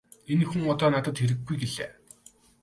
Энэ хүн одоо надад хэрэггүй -гэлээ.